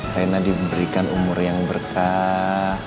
rena diberikan umur yang berkah